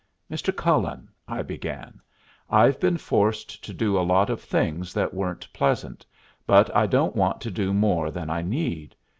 "Mr. Cullen," I began, "I've been forced to do a lot of things that weren't pleasant, but I don't want to do more than I need.